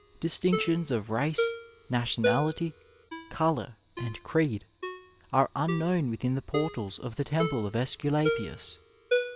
Distinctions of race, nationality, colour, and creed are unknown within the portals of the temple of .^Isculapius.